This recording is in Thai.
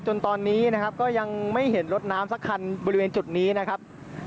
จนตอนนี้นะครับก็ยังไม่เห็นรถน้ำสักคันบริเวณจุดนี้นะครับ